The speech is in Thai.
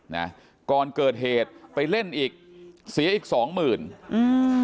นะก่อนเกิดเหตุไปเล่นอีกเสียอีกสองหมื่นอืม